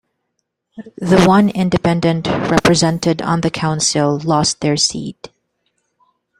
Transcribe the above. The one independent represented on the council lost their seat.